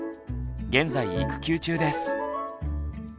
現在育休中です。